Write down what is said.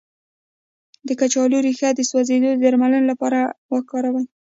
د کچالو ریښه د سوځیدو د درملنې لپاره وکاروئ